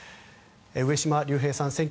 上島竜兵さん